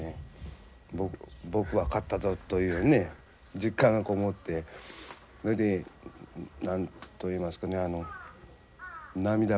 僕は勝ったぞというね実感がこもってそれで何と言いますかね涙がこう男泣きですかね。